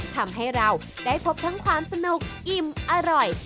ทำให้เราได้พบทั้งความสนุกอิ่มอร่อย